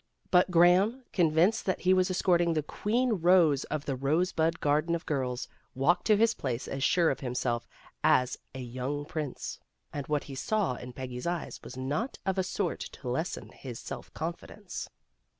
But Graham, convinced that he was escorting the queen rose of the rose bud garden of girls, walked to his place as sure of himself as a young prince. And what he saw in Peggy's eyes was not of a sort to lessen his self confidence.